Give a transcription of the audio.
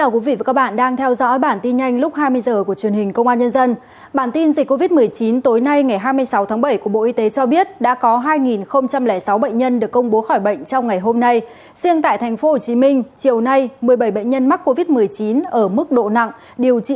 cảm ơn các bạn đã theo dõi